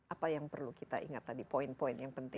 apa yang perlu kita ingat tadi poin poin yang penting